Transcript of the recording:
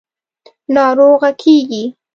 – ناروغه کېږې.